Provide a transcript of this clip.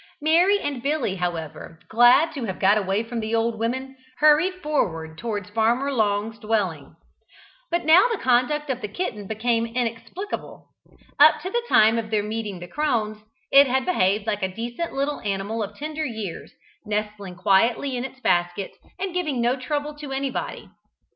Mary and Billy, however, glad to have got away from the old women, hurried forward towards Farmer Long's dwelling. But now the conduct of the kitten became inexplicable. Up to the time of their meeting the crones, it had behaved like a decent little animal of tender years, nestling quietly in its basket, and giving no trouble to anybody.